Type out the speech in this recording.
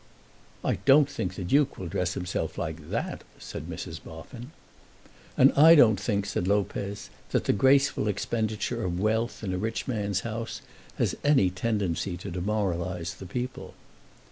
"I don't think the Duke will dress himself like that," said Mrs. Boffin. "And I don't think," said Lopez, "that the graceful expenditure of wealth in a rich man's house has any tendency to demoralise the people."